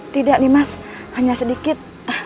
tidak nih mas hanya sedikit